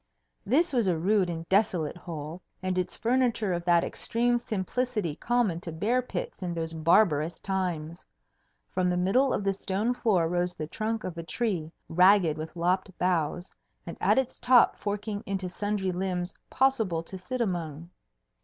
This was a rude and desolate hole, and its furniture of that extreme simplicity common to bear pits in those barbarous times. From the middle of the stone floor rose the trunk of a tree, ragged with lopped boughs and at its top forking into sundry limbs possible to sit among.